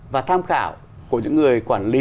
và tham khảo của những người quản lý